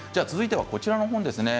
続いてはこちらです。